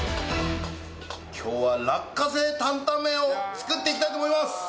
今日は落花生担々麺を作っていきたいと思います！